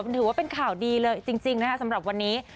มันถือว่าเป็นข่าวดีเลยจริงนะคะสำหรับวันนี้